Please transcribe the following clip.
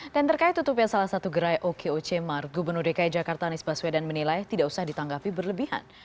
dan terkait tutupnya salah satu gerai oke oce mart gubernur dki jakarta anies baswedan menilai tidak usah ditanggapi berlebihan